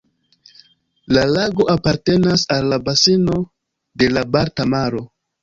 La lago apartenas al la baseno de la Balta Maro.